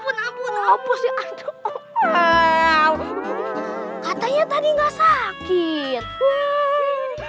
katanya tadi gak sakit